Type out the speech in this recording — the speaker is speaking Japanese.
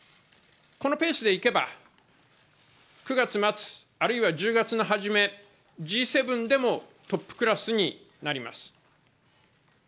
このペースでいけば、９月末、あるいは１０月のはじめ、Ｇ７でもトップクラスになります。